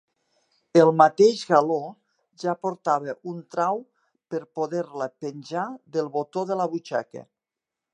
El mateix galó ja portava un trau per poder-la penjar del botó de la butxaca.